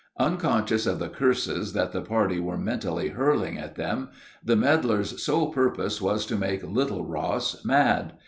Unconscious of the curses that the party were mentally hurling at them, the meddlers' sole purpose was to make "Little Ross" mad.